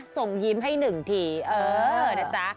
ส่งยิ้มให้หนึ่งทีเออนะจ๊ะ